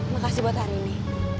makasih buat hari ini